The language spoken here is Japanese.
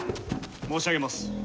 申し上げます。